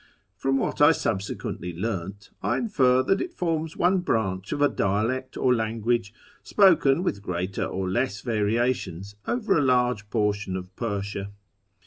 From what I subsequently learned, I infer that it forms one branch of a dialect or language spoken with greater or less variations FROM TEH ERA N TO ISFAHAN 187 over a large portion of Persia.